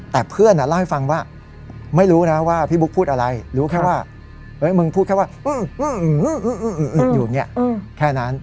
แต่เพื่อนเล่าให้ฟังว่าไม่รู้นะว่าพี่บุ๊กพูดอะไรรู้แค่ว่ามึงพูดแค่ว่าอึกอยู่อย่างนี้แค่นั้น